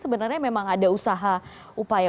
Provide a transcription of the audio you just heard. sebenarnya memang ada usaha upaya